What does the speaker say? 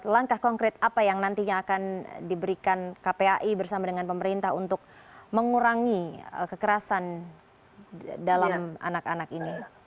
langkah konkret apa yang nantinya akan diberikan kpai bersama dengan pemerintah untuk mengurangi kekerasan dalam anak anak ini